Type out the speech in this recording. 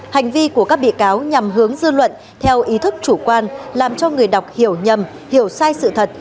hành vi của các bị cáo nhằm hướng dư luận theo ý thức chủ quan làm cho người đọc hiểu nhầm hiểu sai sự thật